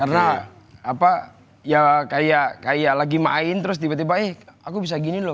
karena apa ya kayak lagi main terus tiba tiba eh aku bisa gini loh